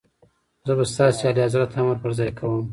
زه به ستاسي اعلیحضرت امر پر ځای کوم.